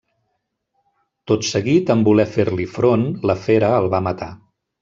Tot seguit, en voler fer-li front, la fera el va matar.